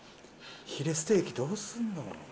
ヒレステーキどうすんの？